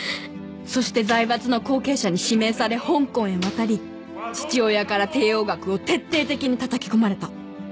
そして財閥の後継者に指名され香港へ渡り父親から帝王学を徹底的にたたき込まれた。